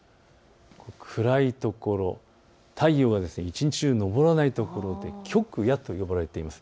暗いところ、太陽が一日上らないところで極夜と呼ばれていました。